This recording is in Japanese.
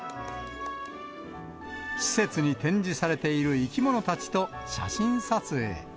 施設に展示されている生き物たちと写真撮影。